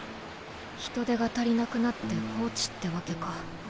人手が足りなくなって放置ってわけか。